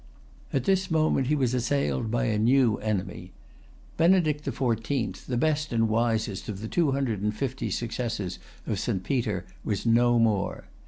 At this moment he was assailed by a new enemy. Benedict the Fourteenth, the best and wisest of the two hundred and fifty successors of St. Peter, was no more.